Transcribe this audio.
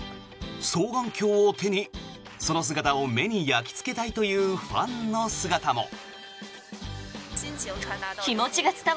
双眼鏡を手に、その姿を目に焼きつけたいというファンの姿も。